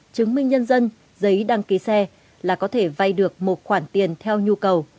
chứng minh nhân dân giấy đăng ký xe là có thể vay được một khoản tiền theo nhu cầu